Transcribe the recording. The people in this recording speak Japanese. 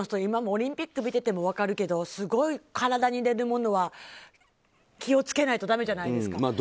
今もオリンピック見ていても分かるけどすごい体に入れるものは気を付けないとだめじゃないですか。